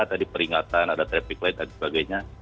tadi peringatan ada traffic light dan sebagainya